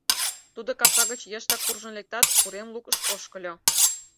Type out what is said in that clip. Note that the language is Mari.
Тудо капка гыч йыштак куржын лектат, урем лукыш ошкыльо.